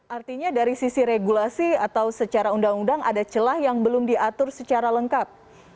artinya dari sisi regulasi atau secara undang undang ada celah yang belum diatur secara lengkap